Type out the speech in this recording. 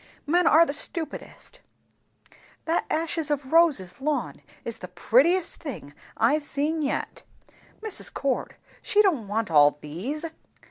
Men are the stupidest! " "That ashes of roses lawn is the prettiest thing I've seen yet. Mrs. Cord, she don't want all these?"